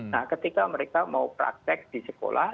nah ketika mereka mau praktek di sekolah